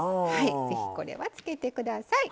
ぜひこれはつけて下さい。